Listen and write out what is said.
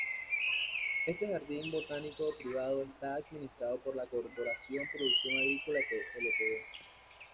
Este jardín botánico privado está administrado por la "Corporación Producción agrícola Ltd.